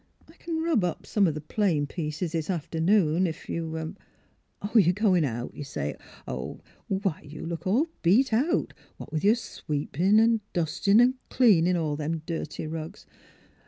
* I c'n rub off some o' the plain pieces this after noon, if you — Oh, you're goin' out, you say? Why, you look all beat out, what with your sweep in,' and dustin' an' cleanin' all them dirty rugs.